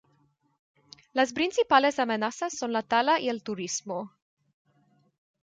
Las principales amenazas son la tala y el turismo.